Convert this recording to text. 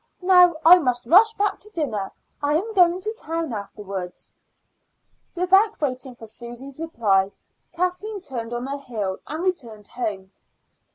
"Now I must rush back to dinner. I am going to town afterwards." Without waiting for Susy's reply, Kathleen turned on her heel and returned home.